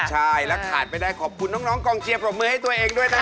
ใช่แล้วขาดไม่ได้ขอบคุณน้องกองเชียร์ปรบมือให้ตัวเองด้วยนะครับ